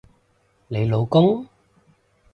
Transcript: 你老公？